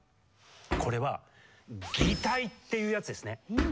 これは「擬態」っていうやつですね。